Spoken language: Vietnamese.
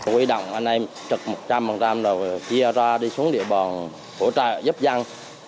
quy động anh em trực một trăm linh rồi chia ra đi xuống địa bòn phổ trợ giúp dân